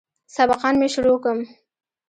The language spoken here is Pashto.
سبقان مې شروع کم.